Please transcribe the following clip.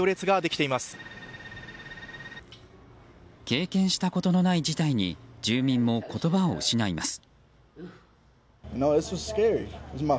経験したことのない事態に住民も言葉を失います。